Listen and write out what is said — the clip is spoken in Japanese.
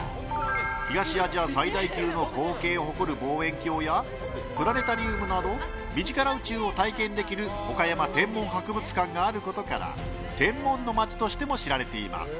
東アジア最大の統計を誇る望遠鏡やプラネタリウムなど身近な宇宙を体験できる岡山天文博物館があることから天文の街としても知られています。